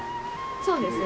そうですね。